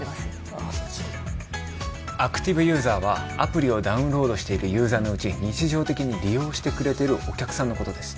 ああアクティブユーザーはアプリをダウンロードしているユーザーのうち日常的に利用してくれてるお客さんのことです